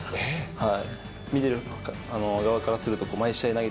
はい。